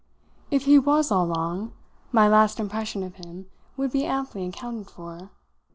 If he was all wrong my last impression of him would be amply accounted for.